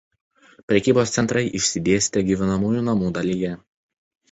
Prekybos centrai išsidėstę gyvenamųjų namų dalyje.